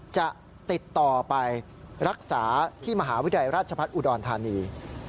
จะติดต่อไปรักษาที่มหาวิทยาลัยราชพัฒน์อุดรธานี